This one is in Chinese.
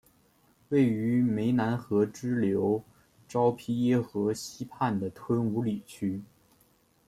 位于湄南河支流昭披耶河西畔的吞武里区。